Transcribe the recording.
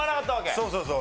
そうそうそう。